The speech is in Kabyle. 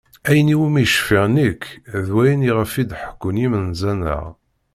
Ayen iwumi cfiɣ nekk d wayen iɣef i d-ḥekkun yimenza-nneɣ.